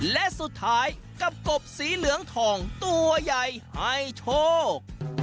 และสุดท้ายกับกบสีเหลืองทองตัวใหญ่ให้โชค